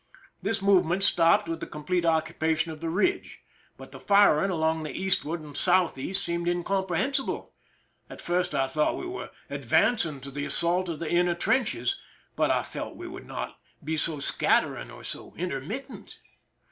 This move 275 THE SINKING OF THE "MERRIMAC" ment stopped with the completed occupation of the ridge. But the firing along the eastward and south east seemed incomprehensible. At first I thought we were advancing to the assault of the inner trenches, but I felt we would not be so scattering or so intermittent.